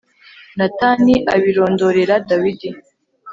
Natani abirondorera Dawidi.